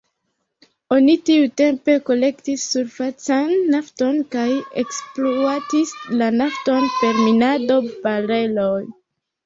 Oni tiutempe kolektis surfacan nafton kaj ekspluatis la nafton per minado, bareloj.